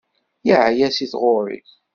Yeεya si tɣuri.